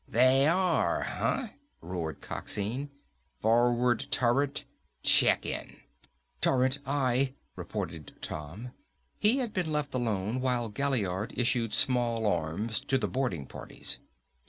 "They are, huh?" roared Coxine. "Forward turret, check in!" "Turret, aye!" reported Tom. He had been left alone while Gaillard issued small arms to the boarding parties.